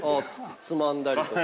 ◆つまんだりとか？